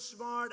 semua orang ini